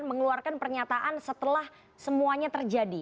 mengeluarkan pernyataan setelah semuanya terjadi